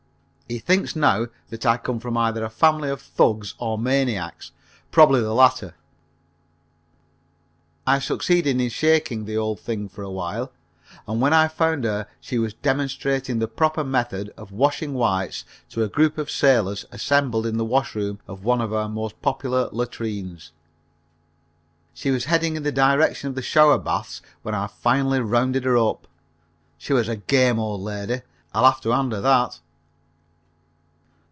He thinks now that I come from either a family of thugs or maniacs, probably the latter. I succeeded in shaking the old thing for a while, and when I next found her she was demonstrating the proper method of washing whites to a group of sailors assembled in the wash room of one of our most popular latrines. She was heading in the direction of the shower baths when I finally rounded her up. She was a game old lady. I'll have to hand her that.